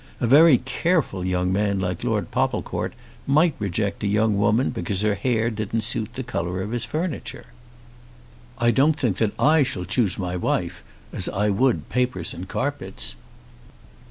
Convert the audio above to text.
A very careful young man like Lord Popplecourt might reject a young woman because her hair didn't suit the colour of his furniture." "I don't think that I shall choose my wife as I would papers and carpets."